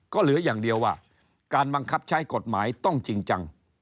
ก็เหลืออย่างเดียวว่าการบังคับใช้กฎหมายต้องจริงจัง